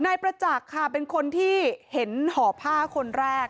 นายประจักษ์ค่ะเป็นคนที่เห็นห่อผ้าคนแรก